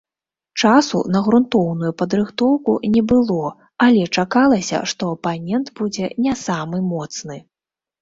Часу на грунтоўную падрыхтоўку не было, але чакалася, што апанент будзе не самы моцны.